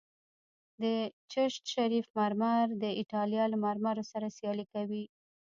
د چشت شریف مرمر د ایټالیا له مرمرو سره سیالي کوي